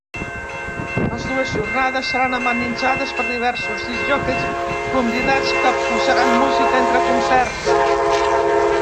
Les dues jornades seran amenitzades per diversos discjòqueis convidats que posaran música entre concerts.